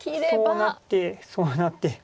そうなってそうなって。